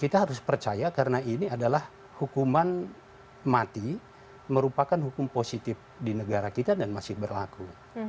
kita harus percaya karena ini adalah hukuman mati merupakan hukum positif di negara kita dan masih berlaku